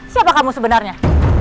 siapa kamu sebenarnya